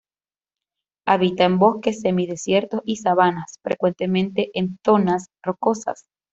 Habita en bosques, semidesiertos, y sabanas, frecuentemente en zonas rocosas.